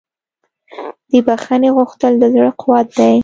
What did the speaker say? د بښنې غوښتل د زړه قوت دی.